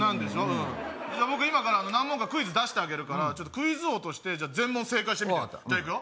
うんじゃあ僕今から何問かクイズ出してあげるからちょっとクイズ王として全問正解してみて分かったじゃあいくよ